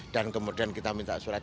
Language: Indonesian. dan kemudian kita minta surat